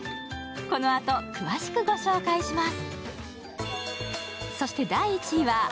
このあと詳しくご紹介します。